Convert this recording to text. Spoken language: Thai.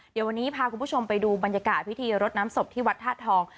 เดี๋ยววันนี้พาคุณผู้ชมไปดูบรรยากาศพิธีรดน้ำศพที่วัดธาตุทอง